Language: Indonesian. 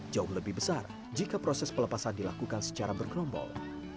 jauh lebih besar jika proses pelepasan dilakukan secara bergerombol